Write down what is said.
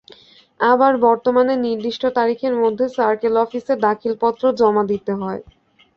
আবার বর্তমানে নির্দিষ্ট তারিখের মধ্যে সার্কেল অফিসে দাখিলপত্র জমা দিতে হয়।